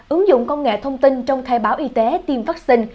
ứng dụng công nghệ thông tin trong thai báo y tế tiêm vắc xin